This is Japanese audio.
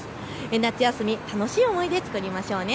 夏休み、楽しい思い出作りましょうね。